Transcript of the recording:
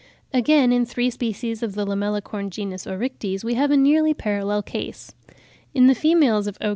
Again, in three species of the Lamellicorn genus Oryctes, we have a nearly parallel case. In the females of O.